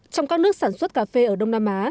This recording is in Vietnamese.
trong các nước sản xuất cà phê ở đông nam á